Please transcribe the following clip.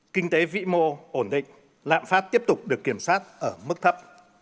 kinh tế vĩ mô ổn định lạm phát tiếp tục được kiểm soát ở mức thấp